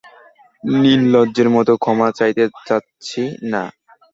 নির্লজ্জের মতো ক্ষমা চাইতে চাচ্ছি না।